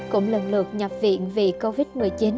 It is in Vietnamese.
cũng lần lượt nhập viện vì covid một mươi chín